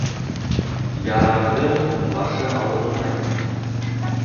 «Ярар»ҙың башы ауыртмай.